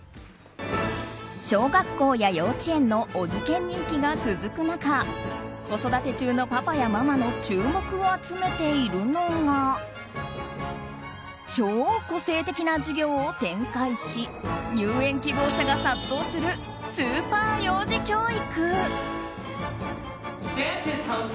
小学校や幼稚園のお受験人気が続く中子育て中のパパやママの注目を集めているのが超個性的な授業を展開し入園希望者が殺到するスーパー幼児教育。